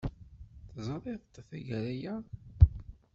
Teẓriḍ-t tagara-a?